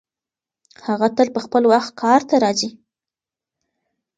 هغه تل په خپل وخت کار ته راځي.